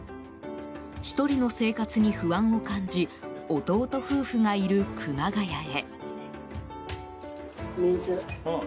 １人の生活に不安を感じ弟夫婦がいる熊谷へ。